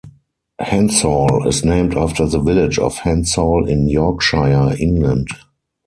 Hensall is named after the village of Hensall in Yorkshire, England.